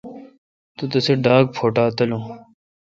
تو رسے ڈاگ پواٹا تلون۔